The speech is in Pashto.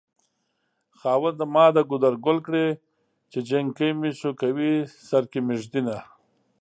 خاونده ما د ګودر ګل کړې چې جنکۍ مې شوکوي سر کې مې ږدينه